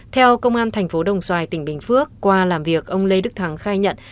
theo công an thành phố đồng xoài tỉnh bình phước qua làm việc ông lê đức thắng khai nhận